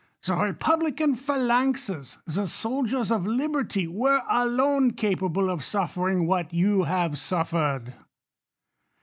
The republican phalanxes, the soldiers of liberty were lone capable of suflering what you have suffered.